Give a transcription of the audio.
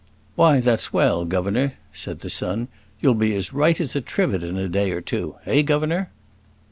"Why, that's well, governor," said the son; "you'll be as right as a trivet in a day or two eh, governor?"